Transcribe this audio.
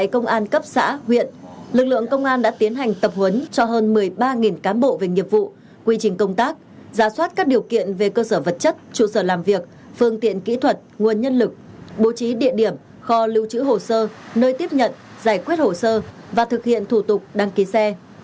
công an đã tiến hành tập huấn cho hơn một mươi ba cán bộ về nghiệp vụ quy trình công tác giá soát các điều kiện về cơ sở vật chất trụ sở làm việc phương tiện kỹ thuật nguồn nhân lực bố trí địa điểm kho lưu trữ hồ sơ nơi tiếp nhận giải quyết hồ sơ và thực hiện thủ tục đăng ký xe